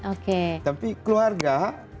oke tapi keluarga